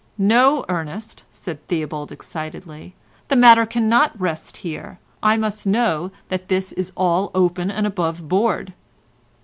"No, Ernest," said Theobald excitedly, "the matter cannot rest here, I must know that this is all open and above board."